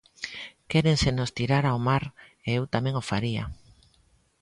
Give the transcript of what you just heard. Quérensenos tirar ao mar e eu tamén o faría.